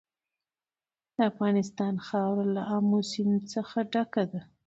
د افغانستان خاوره له آمو سیند څخه ډکه ده.